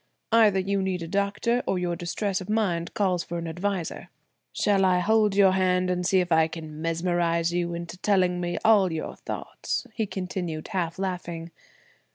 "Either you need a doctor or your distress of mind calls for an adviser. Shall I hold your hand, and see if I can mesmerize you into telling me all your thoughts?" he continued half laughing.